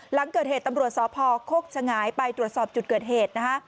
หลังเกิดเหตุตำรวจสพโคกฉงายไปตรวจสอบจุดเกิดเหตุนะคะ